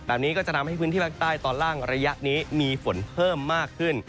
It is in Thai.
แบบนี้ก็จะทำให้พื้นที่ภาคใต้ตอนล่างระยะนี้มีฝนเพิ่มมากขึ้น